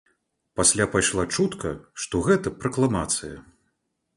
Пасля пайшла чутка, што гэта пракламацыя.